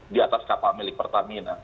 di atas kapal milik pertamina